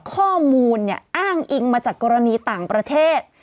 ข้อมูลอ้างอิงมาจากกรณีต่างประเทศ